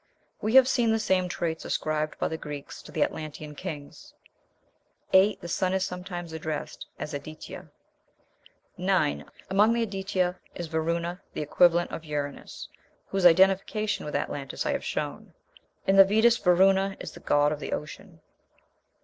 We have seen the same traits ascribed by the Greeks to the Atlantean kings. 8. The sun is sometimes addressed as an Aditya. 9. Among the Aditya is Varuna, the equivalent of Uranos, whose identification with Atlantis I have shown. In the vedas Varuna is "the god of the ocean."